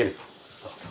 そうそう。